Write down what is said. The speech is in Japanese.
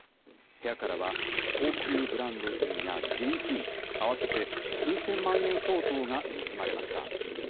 部屋からは高級ブランド品や現金、合わせて数千万円相当が盗まれました。